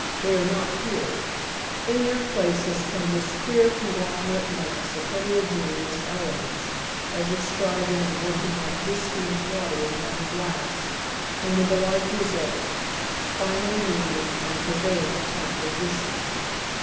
They are not here. In their ]>lace has come this qneer conglomerate mass of heterogene ous elements, ever striving and working like whiskey and water in one glass, and with tlie like result: final union and a prevaihng taint of whiskey.